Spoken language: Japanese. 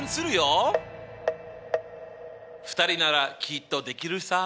２人ならきっとできるさ。